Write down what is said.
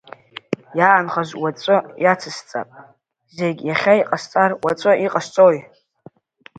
Иаанхаз уаҵәы иацысҵап, зегьы иахьа иҟасҵар уаҵәы иҟасҵои?